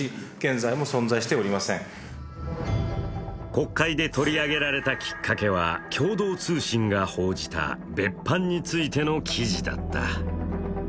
国会で取り上げられたきっかけは共同通信が報じた、別班についての記事だった。